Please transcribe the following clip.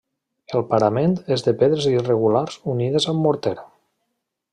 El parament és de pedres irregulars unides amb morter.